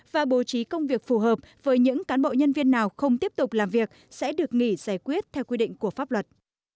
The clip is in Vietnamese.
và bố trí công việc phù hợp với những cán bộ nhân viên nào không tiếp tục làm việc sẽ được nghỉ giải quyết theo quy định của pháp luật